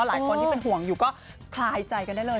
หลายคนที่เป็นห่วงอยู่ก็คลายใจกันได้เลย